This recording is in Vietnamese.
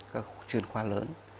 các truyền khoa lớn